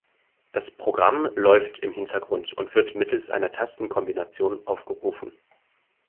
Das Programm läuft im Hintergrund und wird mittels einer Tastenkombination aufgerufen.